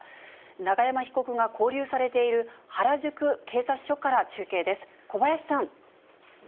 永山被告が勾留されている原宿警察署から中継です。